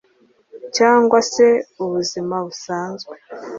cyangwa se mubuzima busanzwe